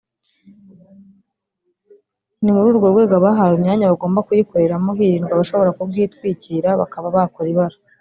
ni muri urwo rwego abahawe imyanya bagomba kuyikoreramo hirindwa abashobora kubwitwitikira bakaba bakora ibara